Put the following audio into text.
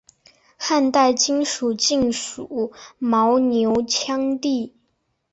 汉代今州境属牦牛羌地。